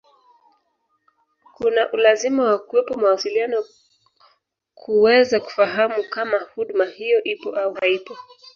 kuna ulazima wa kuwepo mawasiliano kuweza kufahamu kama huduma hiyo ipo au haipo